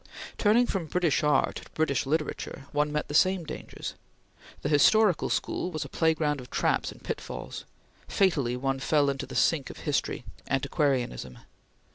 Turning from British art to British literature, one met the same dangers. The historical school was a playground of traps and pitfalls. Fatally one fell into the sink of history antiquarianism.